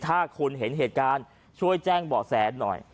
ถ้าคุณเห็นเหตุการณ์ช่วยแจ้งเบาะแสหน่อย